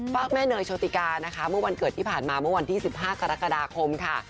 แม่เนยโชติกานะคะเมื่อวันเกิดที่ผ่านมาเมื่อวันที่๑๕กรกฎาคมค่ะ